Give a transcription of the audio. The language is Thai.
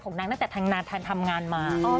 ของนางตั้งแต่ทางนานทำงานมา